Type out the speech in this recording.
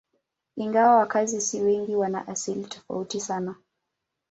Ingawa wakazi si wengi, wana asili tofauti sana.